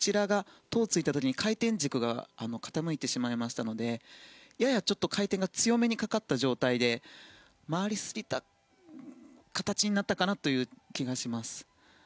トウはついた時に回転軸が傾いてしまったのでやや回転が強めにかかった状態で回りすぎた形になったかなという気がします。